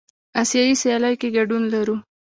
آسیایي سیالیو کې ګډون لرو.